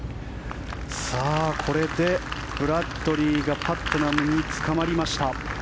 これでブラッドリーがパットナムにつかまりました。